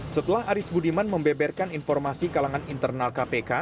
setelah aris budiman membeberkan informasi kalangan internal kpk